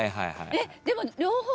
えっでも。